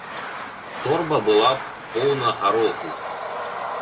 Торба была поўна гароху.